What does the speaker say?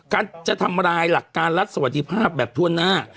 การจะทำลายหลักการรัฐสวัสดิภาพแบบทั่วหน้า